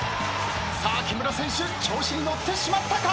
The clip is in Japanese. さあ木村選手調子に乗ってしまったか？